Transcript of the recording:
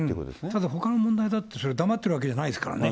ただ、ほかの問題だって黙ってるわけじゃないですからね。